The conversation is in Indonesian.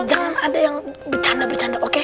jangan ada yang bercanda bercanda oke